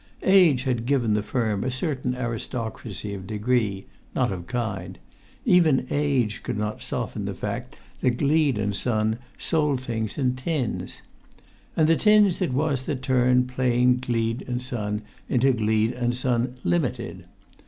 Age had given the firm a certain aristocracy of degree—not of kind—even age could not soften the fact that Gleed & Son sold things in tins.[Pg 78] And the tins it was that turned plain Gleed & Son into Gleed & Son, Limited.